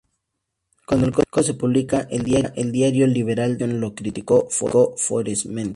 Cuando el código se publicó, el diario liberal "The Nation" lo criticó ferozmente.